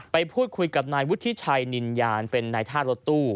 ไปพูดคุยกับนายวุฒิชัยนินยานเป็นนายท่ารถตู้